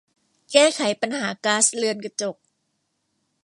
แก้ไขปัญหาก๊าซเรือนกระจก